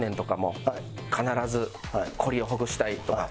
「必ずコリをほぐしたい」とか。